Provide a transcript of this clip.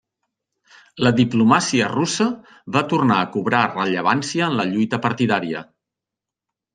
La diplomàcia russa va tornar a cobrar rellevància en la lluita partidària.